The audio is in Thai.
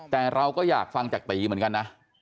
แต่เราก็อยากฟังจากตีเหมือนกันนะ